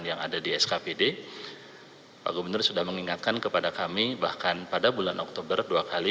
yang ada di skpd pak gubernur sudah mengingatkan kepada kami bahkan pada bulan oktober dua kali